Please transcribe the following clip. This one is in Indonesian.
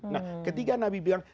nah ketika nabi bilang